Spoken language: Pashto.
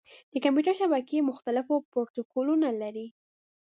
د کمپیوټر شبکې مختلف پروتوکولونه لري.